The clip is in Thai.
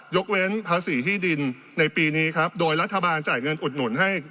เว้นภาษีที่ดินในปีนี้ครับโดยรัฐบาลจ่ายเงินอุดหนุนให้